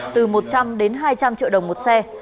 từ một trăm linh đến hai trăm linh triệu đồng một xe